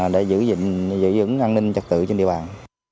để giữ vững an ninh trật tự trên địa bàn